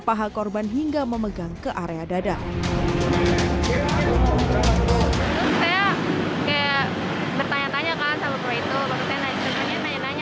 paha korban hingga memegang ke area dada saya kayak bertanya tanya kan sama proyekto maksudnya nanya nanya